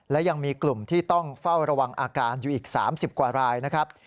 และยังมีกลุ่มที่ต้องเฝ้าระวังอาการอยู่อีก๓๐กว่ารายนะครับ